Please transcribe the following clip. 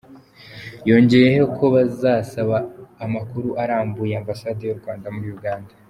Yongeyeho ko basaba amakuru arambuye ambasade y’u Rwanda muri Uganda.